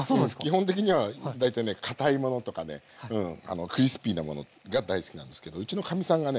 基本的には大体ねかたいものとかねクリスピーなものが大好きなんですけどうちのかみさんがね